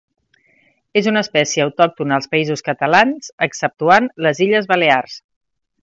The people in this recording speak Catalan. És una espècie autòctona als Països Catalans exceptuant les Illes Balears.